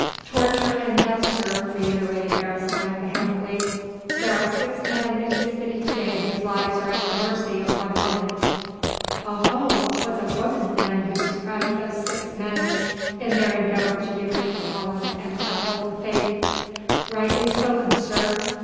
"Torture and death, sir," reiterated Beresteyn vehemently. "There are six men in this city to day whose lives are at the mercy of one woman." "Oho! 'twas a woman then who surprised those six men in their endeavour to do good to Holland and to uphold the Faith." "Rightly spoken, sir!